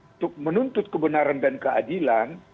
untuk menuntut kebenaran dan keadilan